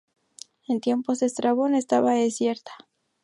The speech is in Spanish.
En tiempos de Estrabón estaba desierta.